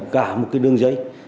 cả một cái đường dây